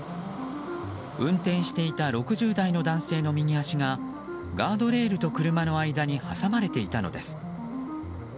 運転していた６０代の男性の右足がガードレールと車の間に挟まれていたのです。